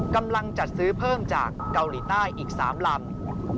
กำลังจัดซื้อเพิ่มจากเกาหลีใต้อีก๓ลำ